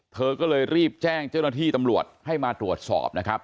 เธอก็เลยรีบแจ้งเจ้าหน้าที่ตำรวจให้มาตรวจสอบนะครับ